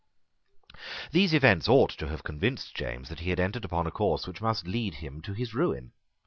These events ought to have convinced James that he had entered on a course which must lead him to his ruin.